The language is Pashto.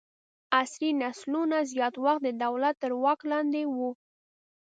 عصري نسلونه زیات وخت د دولت تر واک لاندې وو.